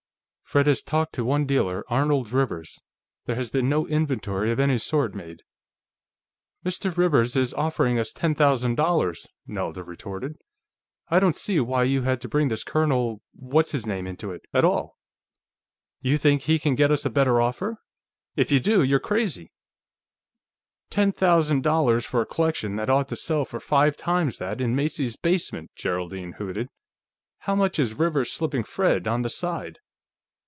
"Fred has talked to one dealer, Arnold Rivers. There has been no inventory of any sort made." "Mr. Rivers is offering us ten thousand dollars," Nelda retorted. "I don't see why you had to bring this Colonel What's his name into it, at all. You think he can get us a better offer? If you do, you're crazy!" "Ten thousand dollars, for a collection that ought to sell for five times that, in Macy's basement!" Geraldine hooted. "How much is Rivers slipping Fred, on the side?"